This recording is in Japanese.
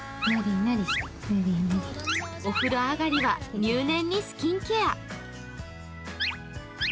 お風呂上がりは入念にスキンケア。